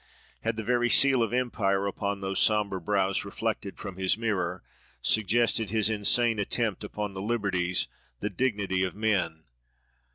Had the very seal of empire upon those sombre brows, reflected from his mirror, suggested his insane attempt upon the liberties, the dignity of men?